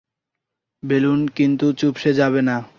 Balloon কিন্তু চুপসে যাবে না।